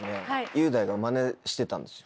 雄大がマネしてたんですよ。